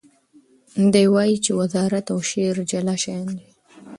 دی وایي چې وزارت او شعر جلا شیان دي.